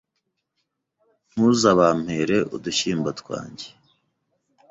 ntuza bampere udushyimbo twanjye